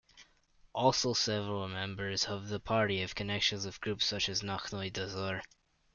Also several members of the party have connections with groups such as Nochnoy Dozor.